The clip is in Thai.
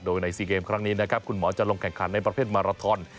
โดยใน๔เกมครั้งนี้นะครับคุณหมอจะลงแข่งขันในประเภทมาราทอน